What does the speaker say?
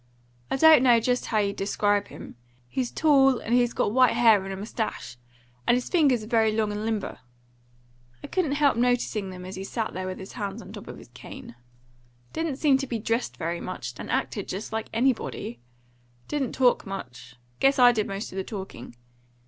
I don't know just how you'd describe him. He's tall; and he's got white hair and a moustache; and his fingers are very long and limber. I couldn't help noticing them as he sat there with his hands on the top of his cane. Didn't seem to be dressed very much, and acted just like anybody. Didn't talk much. Guess I did most of the talking.